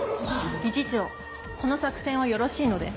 この作戦はよろしいので？